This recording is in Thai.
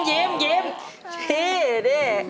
กลับมาฟังเพลง